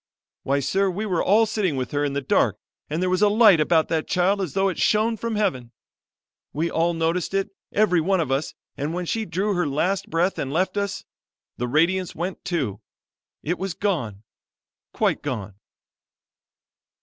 Why, sir, we were all sitting with her in the dark, and there was a light about that child as though it shone from Heaven. We all noticed it, every one of us, and when she drew her last breath and left us, the radiance went, too; it was gone, quite gone."